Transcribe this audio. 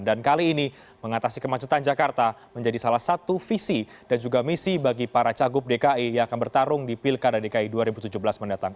dan kali ini mengatasi kemacetan jakarta menjadi salah satu visi dan juga misi bagi para cagup dki yang akan bertarung di pilkada dki dua ribu tujuh belas mendatang